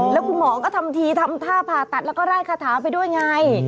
แล้วคุณหมอก็ทำทีทำท่าผ่าตัดแล้วก็ไล่คาถาไปด้วยไง